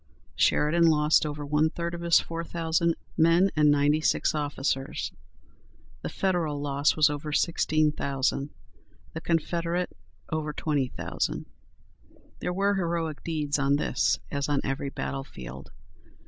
Sheridan lost over one third of his four thousand men and ninety six officers. The Federal loss was over sixteen thousand; the Confederate, over twenty thousand. There were heroic deeds on this as on every battle field.